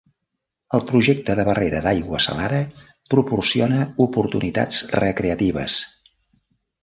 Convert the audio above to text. El projecte de barrera d'aigua salada proporciona oportunitats recreatives.